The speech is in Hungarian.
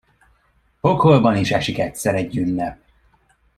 Pokolban is esik egyszer egy ünnep.